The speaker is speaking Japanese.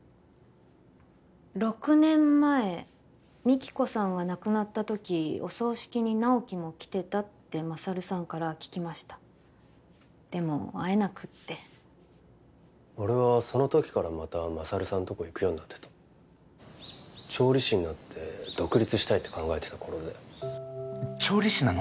６年前美貴子さんが亡くなった時お葬式に直木も来てたって勝さんから聞きましたでも会えなくって俺はその時からまた勝さんとこ行くようになってた調理師になって独立したいって考えてた頃で調理師なの？